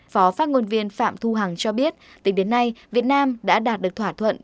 phó phát ngôn viên phạm thu hằng cho biết tính đến nay việt nam đã đạt được thỏa thuận